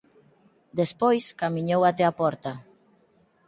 Despois camiñou até a porta.